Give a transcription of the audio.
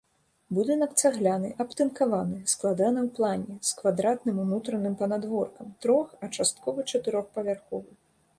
Будынак цагляны, абтынкаваны, складаны ў плане, з квадратным унутраным панадворкам, трох-, а часткова чатырохпавярховы.